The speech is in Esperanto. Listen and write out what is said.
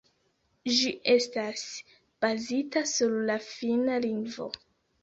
Ĝi estas bazita sur la Finna lingvo.